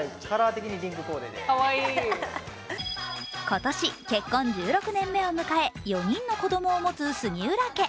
今年結婚１６年目を迎え、４人の子供を持つ杉浦家。